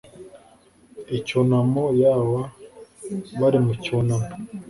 icyunamo yw bari mu cyunamo